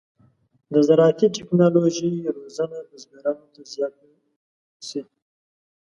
د زراعتي تکنالوژۍ روزنه بزګرانو ته زیاته شي.